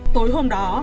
tối hôm đó